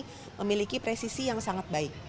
mereka memiliki presisi yang sangat baik